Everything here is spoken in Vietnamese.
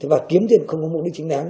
và kiếm tiền không có mục đích chính đáng